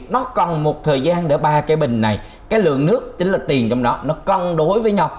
nó cần một thời gian để ba cái bình này cái lượng nước chính là tiền trong đó nó cân đối với nhau